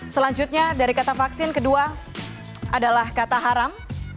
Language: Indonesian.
selanjutnya dari kata vaksin kedua adalah kata haram